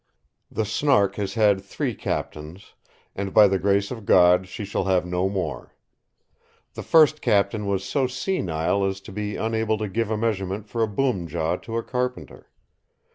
The Snark has had three captains, and by the grace of God she shall have no more. The first captain was so senile as to be unable to give a measurement for a boom jaw to a carpenter.